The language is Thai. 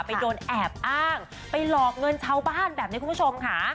ไปโดนแอบอ้างไปหลอกเงินชาวบ้านแบบนี้คุณผู้ชมค่ะ